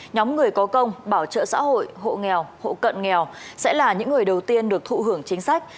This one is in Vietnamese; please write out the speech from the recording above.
nhóm người có công bảo trợ xã hội hộ nghèo hộ cận nghèo sẽ là những người đầu tiên được thụ hưởng chính sách